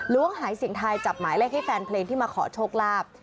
หายเสียงทายจับหมายเลขให้แฟนเพลงที่มาขอโชคลาภ